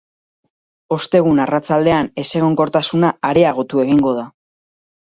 Ostegun arratsaldean ezegonkortasuna areagotu egingo da.